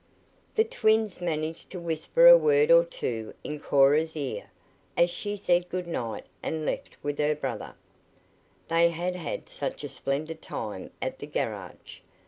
The twins managed to whisper a word or two into Cora's ear as she said good night and left with her brother. They had had such a splendid time at the garage.